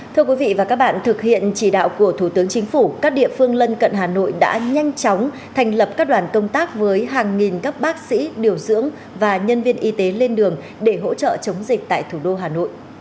thưa quý vị và các bạn thực hiện chỉ đạo của thủ tướng chính phủ các địa phương lân cận hà nội đã nhanh chóng thành lập các đoàn công tác với hàng nghìn các bác sĩ điều dưỡng và nhân viên y tế lên đường để hỗ trợ chống dịch tại thủ đô hà nội